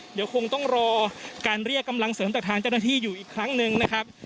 เดี๋ยวคงต้องรอการเรียกกำลังเสริมจากทางเจ้าหน้าที่อยู่อีกครั้งหนึ่งนะครับ